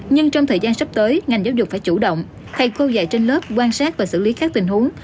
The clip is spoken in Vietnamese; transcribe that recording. nhưng trong thời gian sắp tới ngành giáo dục phải chủ động thầy cô dạy trên lớp quan sát và xử lý các tình huống